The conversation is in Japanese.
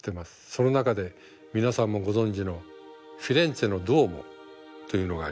その中で皆さんもご存じのフィレンツェのドゥオーモというのがあります。